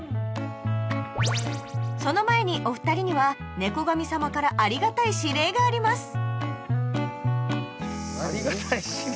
その前にお二人には猫神さまからありがたい指令があります「ありがたい指令」。